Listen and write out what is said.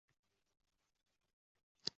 Ona-Yerning otash qa’ridan